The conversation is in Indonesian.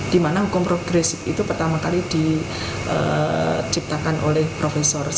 dimana hukum progresif itu pertama kali diciptakan oleh profesor